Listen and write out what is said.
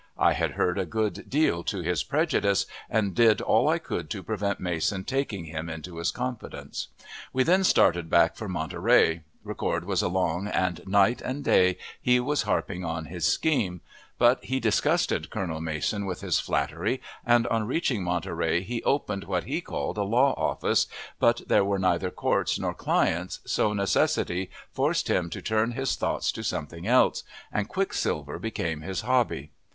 I had heard a good deal to his prejudice, and did all I could to prevent Mason taking him, into his confidence. We then started back for Monterey. Ricord was along, and night and day he was harping on his scheme; but he disgusted Colonel Mason with his flattery, and, on reaching Monterey, he opened what he called a law office, but there were neither courts nor clients, so necessity forced him to turn his thoughts to something else, and quicksilver became his hobby.